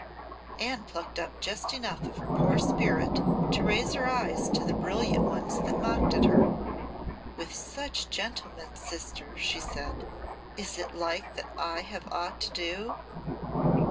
Anne plucked up just enough of her poor spirit to raise her eyes to the brilliant ones that mocked at her. "With such gentlemen, sister," she said, "is it like that I have aught to do?"